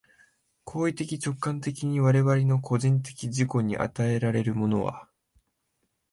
行為的直観的に我々の個人的自己に与えられるものは、